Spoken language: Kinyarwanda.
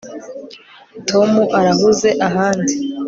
Tom arahuze ahandi